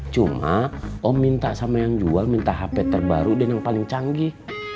cuma om minta sama yang jual minta hp terbaru dan yang paling canggih